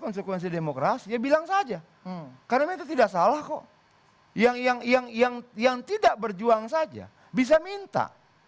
konsekuensi demokrasi ya bilang saja karena itu tidak salah kok yang yang tidak berjuang saja bisa minta